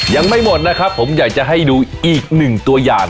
ยังไม่หมดนะครับผมอยากจะให้ดูอีกหนึ่งตัวอย่าง